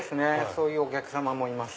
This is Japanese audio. そういうお客さまもいます。